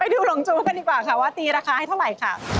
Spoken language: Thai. ดูหลงจู้กันดีกว่าค่ะว่าตีราคาให้เท่าไหร่ค่ะ